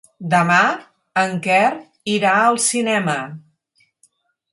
Demà en Quer irà al cinema.